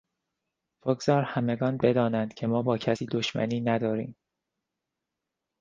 بگذار همگان بدانند که ما با کسی دشمنی نداریم.